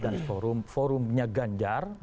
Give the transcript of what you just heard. dan forumnya ganjar